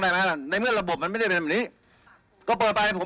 เกราะที่รัฐจะไม่ไปเขียวข้อง